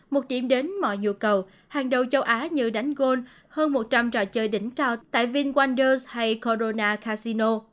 một điểm đến mọi nhu cầu hàng đầu châu á như đánh gôn hơn một trăm linh trò chơi đỉnh cao tại vinwonders hay corona casino